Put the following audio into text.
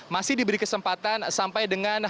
masih diberi kesempatan untuk mencari stiker layak